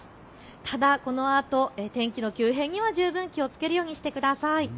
ただこのあと天気の急変には十分気をつけるようにしてください。